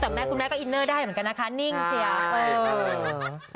แต่แม่คุณแม่ก็อินเนอร์ได้เหมือนกันนะคะนิ่งเชีย